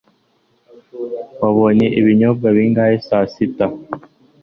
Wanyoye ibinyobwa bingahe saa sita?